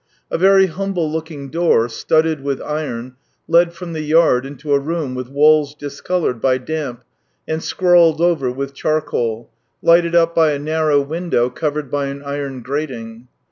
A very humble looking door, studded with iron, led from the yard into a room with walls discoloiu"ed by damp and scrawled over with charcoal, lighted up by a narrow window covered by an iron grating.